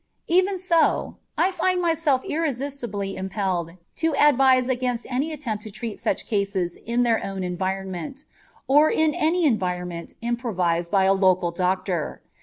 Even so I find myself irresistibly impelled to advise against any attempt to treat such cases in their own environment, or in any environment improvised by a local doctor.